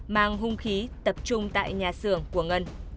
mang hung khí tập trung tại nhà xưởng của ngân